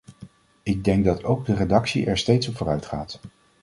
Ik denk dat ook de redactie er steeds op vooruitgaat.